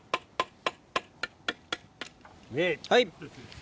はい。